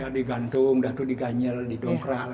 ya digantung sudah itu diganyel didongkral